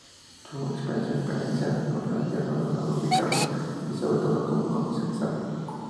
Y su experiencia empresarial le permitía saber cómo fabricarlo y, sobre todo, cómo comercializarlo.